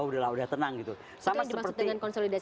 sudah tenang sama seperti